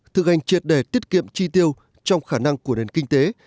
thực hành triệt để tiết kiệm chi tiêu trong khả năng của nền kinh tế